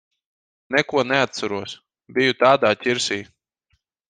Neko neatceros. Biju tādā ķirsī.